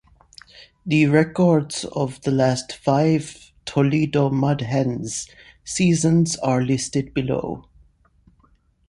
The records of the last five Toledo Mud Hens seasons are listed below.